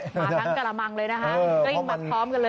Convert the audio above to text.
มาทั้งกระมังเลยนะคะกลิ้งมาพร้อมกันเลย